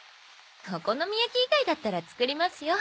お好み焼き以外だったら作りますよ。